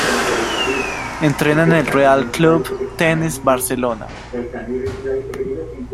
Entrena en el Real Club Tenis Barcelona.